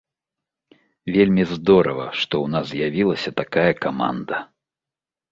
Вельмі здорава, што ў нас з'явілася такая каманда.